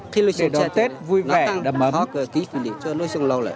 để đón tết vui vẻ đầm ấm